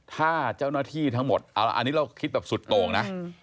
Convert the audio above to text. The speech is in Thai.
ถ้าเจ้าหน้าที่ทั้งหมดอันนี้เราคิดแบบสุดโต่งนะ